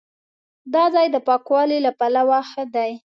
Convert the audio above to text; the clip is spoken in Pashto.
دا ځای د پاکوالي له پلوه ښه دی.